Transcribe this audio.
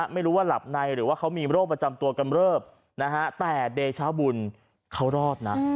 ไม่รู้ว่าหลับในหรือว่าเขามีโรคประจำตัวกำเริบนะฮะแต่เดชาบุญเขารอดนะ